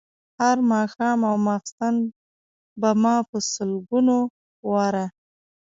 هر ماښام او ماخوستن به ما په سلګونو واره.